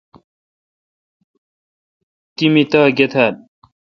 تی می تاء گہ تال ۔